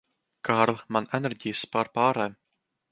Kārli, man enerģijas pārpārēm.